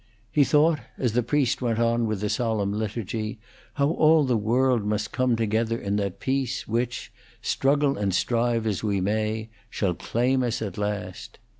He thought, as the priest went on with the solemn liturgy, how all the world must come together in that peace which, struggle and strive as we may, shall claim us at last.